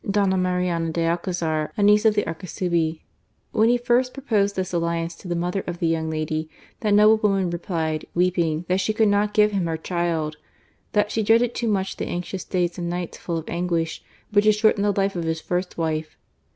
Dona Mariana de Alcazar, a niece of the Arcasubi. When he first proposed this alliance to the mother of the young lady, that noble woman replied, weeping, that she could not give him her child ; that she dreaded too much the anxious days and the nights full of anguish which had shortened the life of his first wife.